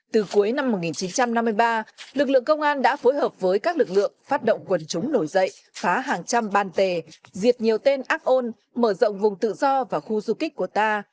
từ cuối năm một nghìn chín trăm năm mươi ba lực lượng công an đã phối hợp với các lực lượng phát động quần chúng nổi dậy phá hàng trăm ban tề diệt nhiều tên ác ôn mở rộng vùng tự do và khu du kích của ta